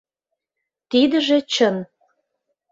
— Тидыже чын.